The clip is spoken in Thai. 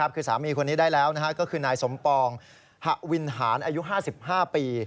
คือสามีคนนี้ได้แล้วก็คือนายสมปองหะวินหารอายุ๕๕ปี